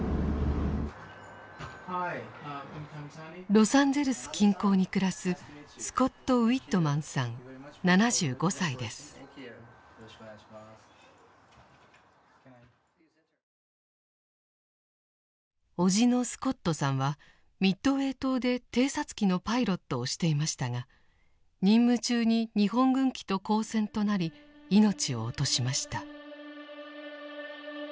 ロサンゼルス近郊に暮らす叔父のスコットさんはミッドウェー島で偵察機のパイロットをしていましたが任務中に日本軍機と交戦となり命を落としました。